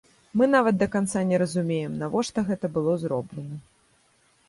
Мы нават да канца не разумеем, навошта гэта было зроблена.